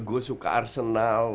gue suka arsenal